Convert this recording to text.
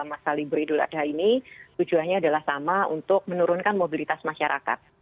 masa libur idul adha ini tujuannya adalah sama untuk menurunkan mobilitas masyarakat